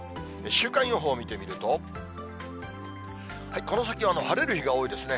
週間予報を見てみると、この先は晴れる日が多いですね。